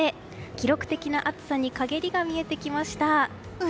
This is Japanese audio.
記録的な暑さに陰りが見えてきました。